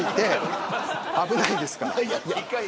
危ないですから。